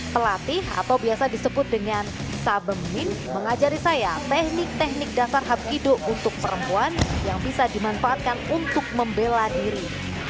pelatih atau biasa disebut dengan sabemin mengajari saya teknik teknik dasar habkido untuk perempuan yang bisa dimanfaatkan untuk membela diri